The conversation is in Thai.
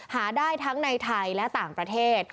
หาได้ทั้งในไทยและต่างประเทศ